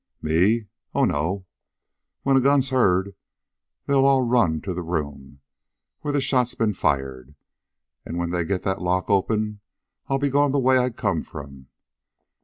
"Me? Oh, no. When a gun's heard they'll run to the room where the shot's been fired. And when they get the lock open, I'll be gone the way I come from."